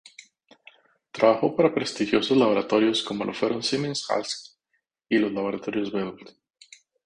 Trabajó para prestigiosos laboratorios como lo fueron Siemens-Halske y los laboratorios Bell.